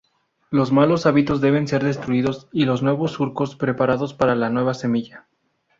Los malos hábitos deben ser destruidos y nuevos surcos preparados para la nueva semilla.